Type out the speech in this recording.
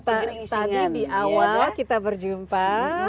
tadi di awal kita berjumpa